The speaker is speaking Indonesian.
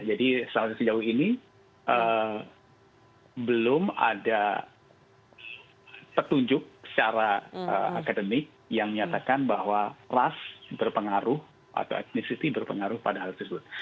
sejauh ini belum ada petunjuk secara akademik yang menyatakan bahwa ras berpengaruh atau etnisity berpengaruh pada hal tersebut